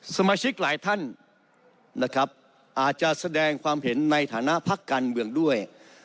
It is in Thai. สมาชิกหลายท่านนะครับอาจจะแสดงความเห็นในฐานะพักการเมืองด้วย